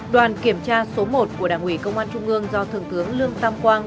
đoàn kiểm tra số một của đảng ủy công an trung ương do thượng tướng lương tam quang